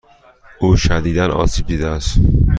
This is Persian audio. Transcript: او شدیدا آسیب دیده است.